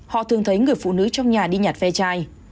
họ thường thấy người phụ nữ trong nhà đi nhặt ve chai